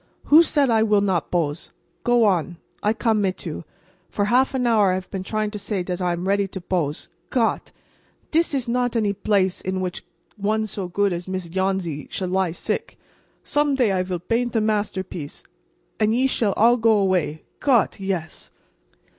"Who said I will not bose? Go on. I come mit you. For half an hour I haf peen trying to say dot I am ready to bose. Gott! dis is not any blace in which one so goot as Miss Yohnsy shall lie sick. Some day I vill baint a masterpiece, and ve shall all go away. Gott! yes."